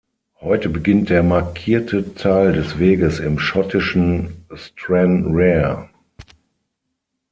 Heute beginnt der markierte Teil des Weges im schottischen Stranraer.